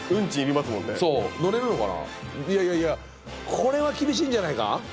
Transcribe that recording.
これは厳しいんじゃないか？